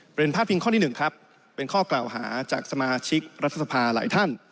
ประเด็นภาพิงข้อที่๑ครับเป็นข้อกล่าวหาจากสมาชิกรัฐศภาห์หลายท่าน